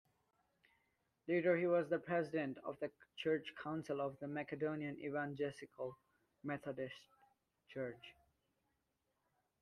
Later he was President of the Church Council of the Macedonian Evangelical Methodist Church.